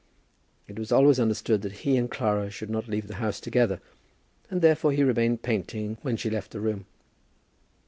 It was always understood that he and Clara should not leave the house together, and therefore he remained painting when she left the room.